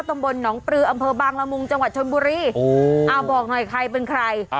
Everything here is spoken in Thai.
ตำบลหนองปลืออำเภอบางละมุงจังหวัดชนบุรีเอาบอกหน่อยใครเป็นใคร